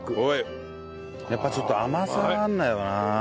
やっぱちょっと甘さがあるんだよな。